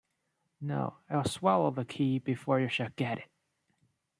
No, I’ll swallow the key before you shall get it!